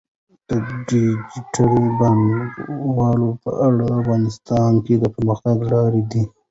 ډیجیټل بانکوالي په افغانستان کې د پرمختګ لاره ده.